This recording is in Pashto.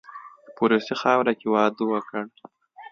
په روسي خاوره کې واده وکړ.